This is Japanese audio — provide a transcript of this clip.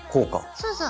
そうそう。